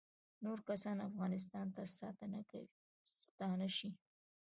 نور کسان افغانستان ته ستانه شي